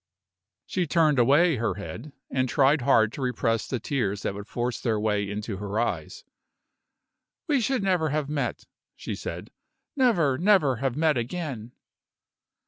She turned away her head, and tried hard to repress the tears that would force their way into her eyes "We should never have met," she said; "never, never have met again!"